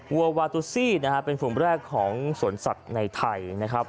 วัววาตุซี่นะฮะเป็นฝุงแรกของสวนสัตว์ในไทยนะครับ